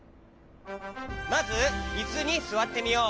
まずいすにすわってみよう。